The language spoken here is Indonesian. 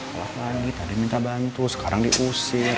kalau lagi tadi minta bantu sekarang diusir